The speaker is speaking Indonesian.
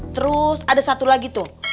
terus ada satu lagi tuh